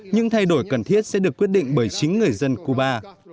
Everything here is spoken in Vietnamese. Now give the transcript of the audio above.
những thay đổi cần thiết sẽ được quyết định bởi chính người dân cuba